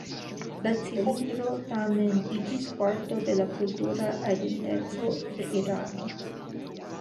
La cilindro, tamen, iĝis parto de la kultura identeco de Irano.